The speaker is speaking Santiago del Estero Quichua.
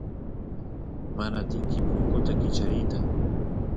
mana atinki punkut kichariyta